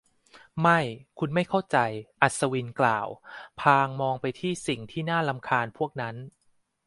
ไม่ คุณไม่เข้าใจ อัศวินกล่าว พลางมองไปที่สิ่งที่น่ารำคาญเพวกนั้น